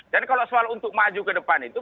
dan kalau soal untuk maju ke depan itu